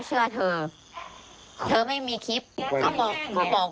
แม่คนที่ตายก็ไม่มีใครเชื่อหรอก